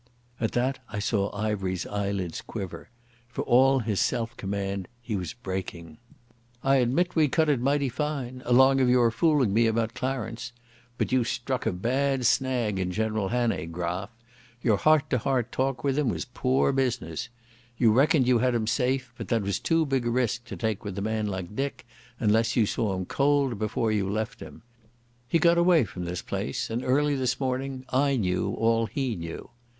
At that I saw Ivery's eyelids quiver. For all his self command he was breaking. "I admit we cut it mighty fine, along of your fooling me about Clarence. But you struck a bad snag in General Hannay, Graf. Your heart to heart talk with him was poor business. You reckoned you had him safe, but that was too big a risk to take with a man like Dick, unless you saw him cold before you left him.... He got away from this place, and early this morning I knew all he knew.